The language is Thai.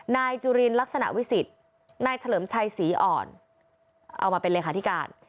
นายจุลินลักษณะวิสิทธิ์นายเฉลิมชัยศรีอ่อนเอามาเป็นเลขาธิการ